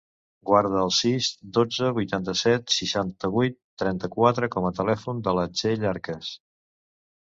Guarda el sis, dotze, vuitanta-set, seixanta-vuit, trenta-quatre com a telèfon de la Txell Arques.